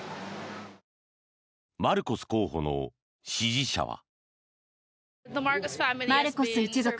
マルコス候補の支持者は。